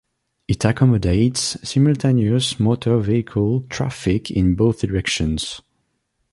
It accommodates simultaneous motor vehicle traffic in both directions.